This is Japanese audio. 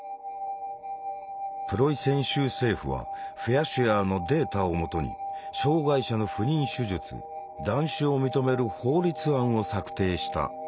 プロイセン州政府はフェアシュアーのデータを基に障害者の不妊手術断種を認める法律案を策定した。